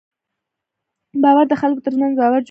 باور د خلکو تر منځ باور جوړوي.